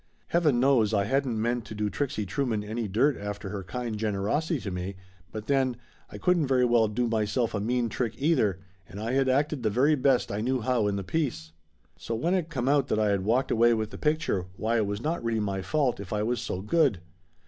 Heaven knows I hadn't meant to do Trixie Trueman any dirt after all her kind generosity to me, but then, I couldn't very well do myself a mean trick either, and I had acted the very best I knew how in the piece. So when it come out that I had walked away with the picture, why it was not really my fault if I was so good.